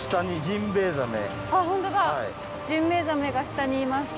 ジンベエザメが下にいます。